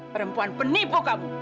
perempuan penipu kamu